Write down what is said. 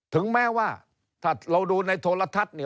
ถึงแม้ว่าถ้าเราดูในโทรทัศน์เนี่ย